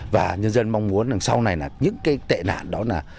và nhân dân mong muốn đằng sau này là những cái tệ nạn đó là